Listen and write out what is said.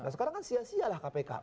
sekarang kan sia sialah kpk